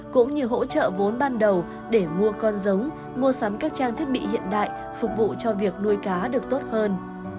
cũng như hỗ trợ vốn ban đầu để mua con giống mua sắm các trang thiết bị hiện đại phục vụ cho việc nuôi cá được tốt hơn